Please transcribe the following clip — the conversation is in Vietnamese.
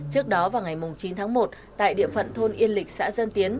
trước đó vào ngày chín tháng một tại địa phận thôn yên lịch xã dân tiến